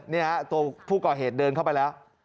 นี่ฮะตัวผู้ก่อเหตุเดินเข้าไปแล้ว